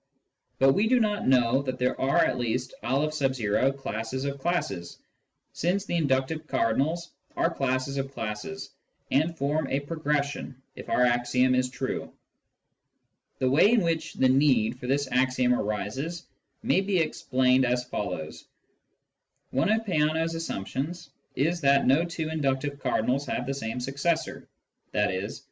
But we do know that there are at least N classes of classes, since the inductive cardinals are classes of classes, and form a progression if our axiom is true. The way in which the need for this axiom arises may be explained as follows :— One of Peano's assumptions is that no two inductive cardinals have the same successor, i.e.